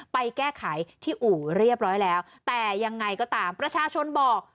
ไปแก้ไขที่อู่เรียบร้อยแล้วแต่ยังไงก็ตามประชาชนบอก